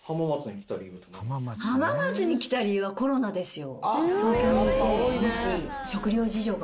浜松に来た理由はコロナですよ。